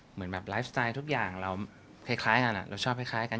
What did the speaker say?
เหมือนแบบไลฟ์สไตล์ทุกอย่างเราคล้ายกัน